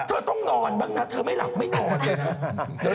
เธอต้องนอนบ้างนะเธอไม่หลับไม่นอนเลยนะ